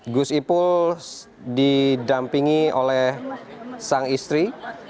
gus ipul didampingi oleh sang istri